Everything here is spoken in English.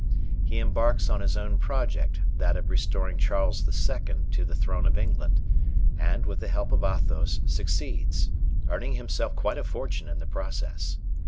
He embarks on his own project, that of restoring Charles II to the throne of England, and, with the help of Athos, succeeds, earning himself quite a fortune in the process.